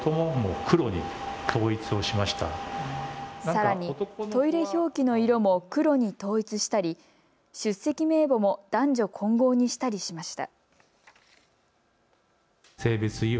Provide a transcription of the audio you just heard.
さらにトイレ表記の色も黒に統一したり出席名簿も男女混合にしたりしました。